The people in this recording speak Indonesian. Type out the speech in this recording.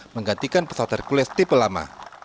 menggantikan pesawat hercules tipe lama